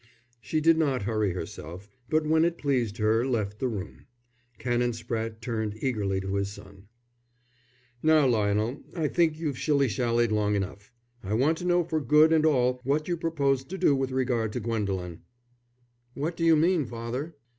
She did not hurry herself, but when it pleased her left the room. Canon Spratte turned eagerly to his son. "Now, Lionel, I think you've shilly shallied long enough. I want to know for good and all what you propose to do with regard to Gwendolen." "What do you mean, father?"